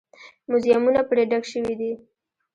موزیمونه پرې ډک شوي دي.